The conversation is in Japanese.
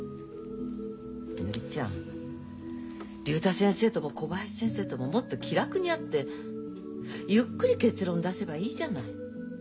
みのりちゃん竜太先生とも小林先生とももっと気楽に会ってゆっくり結論出せばいいじゃない。